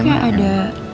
kok kayak ada